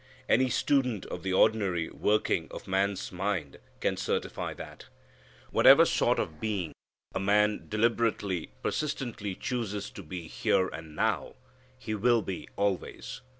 Any student of the ordinary working of man's mind can certify that. Whatever sort of being a man deliberately, persistently chooses to be here and now, he will be always.